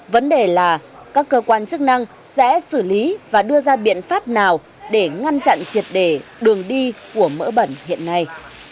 vấn đề là các cơ quan chức năng sẽ xử lý và đưa ra biện pháp nào để ngăn chặn triệt đề đường đi của mỡ bẩn hiện nay